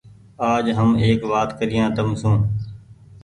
آج هم ايڪ وآت ڪريآن تم سون ۔